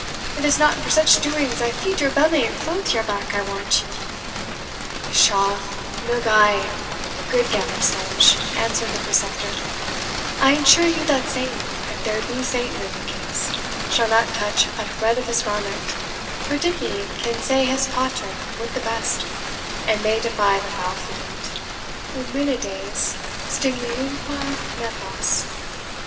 It is not for such doings I feed your belly and clothe your back, I warrant you!" "Pshaw NUGAE, good Gammer Sludge," answered the preceptor; "I ensure you that Satan, if there be Satan in the case, shall not touch a thread of his garment; for Dickie can say his PATER with the best, and may defy the foul fiend EUMENIDES, STYGIUMQUE NEFAS."